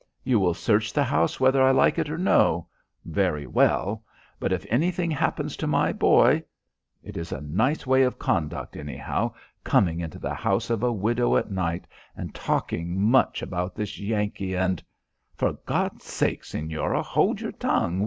"You will search the house whether I like it or no. Very well; but if anything happens to my boy? It is a nice way of conduct, anyhow coming into the house of a widow at night and talking much about this Yankee and " "For God's sake, señora, hold your tongue.